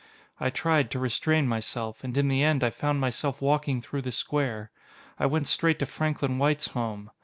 I tried to restrain myself, and in the end I found myself walking through the square. I went straight to Franklin White's home.